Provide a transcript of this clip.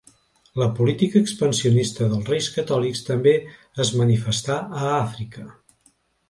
La política expansionista dels reis Catòlics també es manifestà a Àfrica.